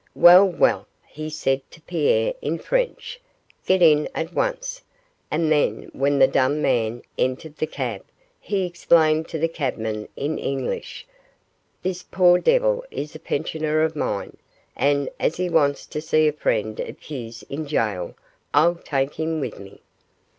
'Well, well,' he said to Pierre in French, 'get in at once,' and then when the dumb man entered the cab, he explained to the cabman in English: 'This poor devil is a pensioner of mine, and as he wants to see a friend of his in gaol I'll take him with me.